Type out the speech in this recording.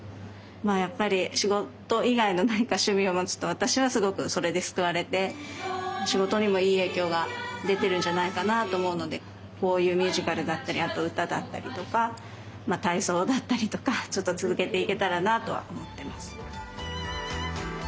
やっぱり仕事以外の何か趣味を持つと私はすごくそれで救われて仕事にもいい影響が出てるんじゃないかなと思うのでこういうミュージカルだったりあと歌だったりとか体操だったりとかちょっと続けていけたらなとは思ってます。